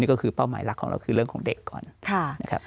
ก็คือเป้าหมายหลักของเราคือเรื่องของเด็กก่อนนะครับ